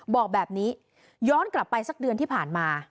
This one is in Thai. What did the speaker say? บอกแบบนี้ย้อนกลับไปสักเดือนที่ผ่านมา